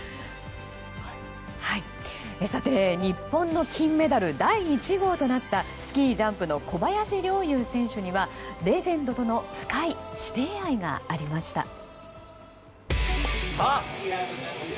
さて、日本の金メダル第１号となったスキージャンプの小林陵侑選手にはレジェンドとの深い師弟愛がありました。